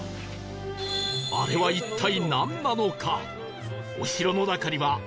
あれは一体なんなのか？